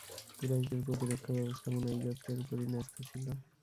কুরাইশদের প্রতিরক্ষা ব্যবস্থাপনা এই গোত্রের উপরই ন্যস্ত ছিল।